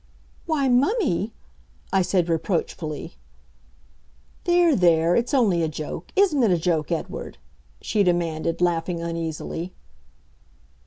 "Why, mummy!" I said reproachfully. "There there. It's only a joke. Isn't it a joke, Edward?" she demanded, laughing uneasily.